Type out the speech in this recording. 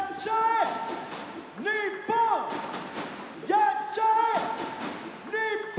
やっちゃえ日本。